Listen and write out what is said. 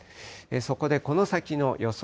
そこでこの先の予想